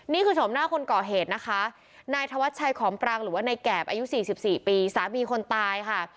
นี่คือสมหน้าคนก่อเหตุนะคะนายธวัชชัยขอมปรางหรือว่าในแก่บอายุสี่สิบสี่ปีสามีคนตายค่ะ